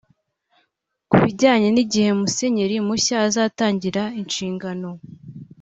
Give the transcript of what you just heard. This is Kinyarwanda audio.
Ku bijyanye n’igihe Musenyeri mushya azatangirira inshingano